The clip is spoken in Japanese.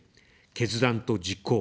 決断と実行。